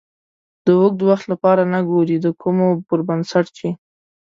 د اوږد وخت لپاره نه ګورئ د کومو پر بنسټ چې